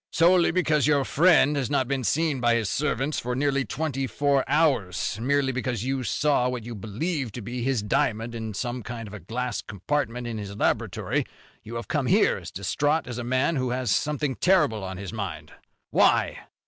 "Solely because your friend has not been seen by his servants for nearly twenty four hours, merely because you saw what you believe to be his diamond in some kind of a glass compartment in his laboratory, you come here as distraught as a man who has something terrible on his mind. Why?"